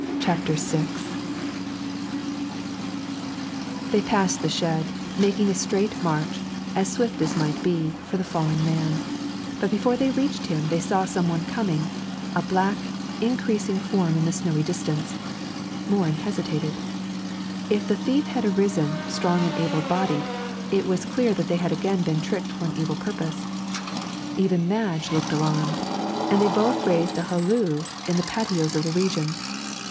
CHAPTER VI They passed the shed, making a straight march, as swift as might be, for the fallen man; but before they reached him they saw some one coming, a black, increasing form in the snowy distance. Morin hesitated. If the thief had arisen, strong and able bodied, it was clear that they had again been tricked for an evil purpose. Even Madge looked alarmed, and they both raised a halloo in the patois of the region.